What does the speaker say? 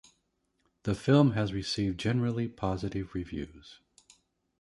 The film has received generally positive reviews.